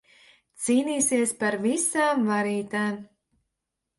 Cīnīsies par visām varītēm.